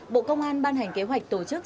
bộ công an ban hành kế hoạch tổ chức